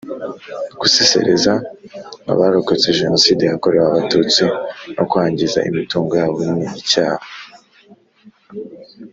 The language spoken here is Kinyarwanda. Gusesereza abarokotse Jenoside yakorewe Abatutsi no kwangiza imitungo yabo ni icyaha